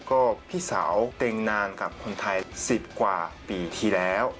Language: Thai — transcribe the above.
ก็พี่สาวเต็งนานกับคนไทย๑๐กว่าปีที่แล้ว